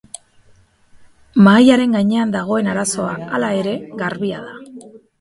Mahaiaren gainean dagoen arazoa, hala ere, garbia da.